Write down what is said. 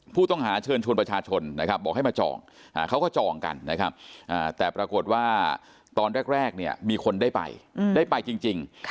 ผู้ต้องหาเชิญชวนประชาชนนะครับบอกให้มาจองเขาก็จองกันนะครับแต่ปรากฏว่าตอนแรกเนี่ยมีคนได้ไปได้ไปจริง